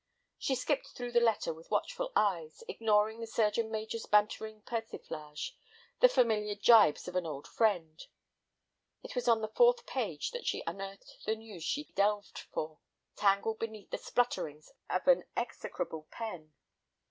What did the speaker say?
She skipped through the letter with watchful eyes, ignoring the surgeon major's bantering persiflage, the familiar gibes of an old friend. It was on the fourth page that she unearthed the news she delved for, tangled beneath the splutterings of an execrable pen.